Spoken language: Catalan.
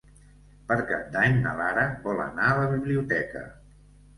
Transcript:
Per Cap d'Any na Lara vol anar a la biblioteca.